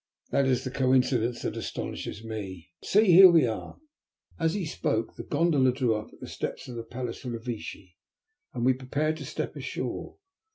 "That is the coincidence that astonishes me. But see, here we are." As he spoke the gondola drew up at the steps of the Palace Revecce, and we prepared to step ashore.